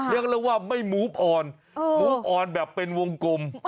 เรียกได้ว่าไม่มูฟอ่อนมูบอ่อนแบบเป็นวงกลม